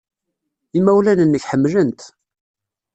Imawlan-nnek ḥemmlen-t.